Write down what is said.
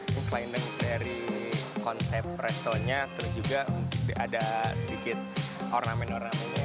selain dari konsep restonya terus juga ada sedikit ornamen ornamennya